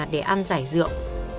để ăn giải rượu